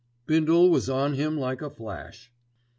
Bindle was on him like a flash.